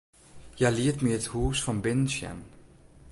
Hja liet my it hûs fan binnen sjen.